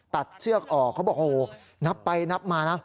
เชือกออกเขาบอกโหนับไปนับมานะ